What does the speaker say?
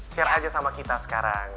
share aja sama kita sekarang